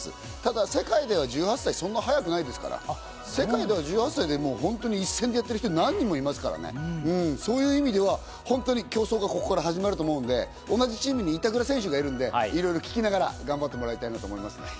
でも世界では１８歳は早くないですから、一線でやってる人、何人もいますから、そういう意味では競争がここから始まると思うんで、同じチームに板倉選手がいるんで、いろいろ聞きながら頑張ってもらいたいと思います。